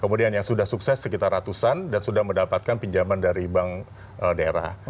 kemudian yang sudah sukses sekitar ratusan dan sudah mendapatkan pinjaman dari bank daerah